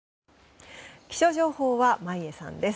気象情報は眞家さんです。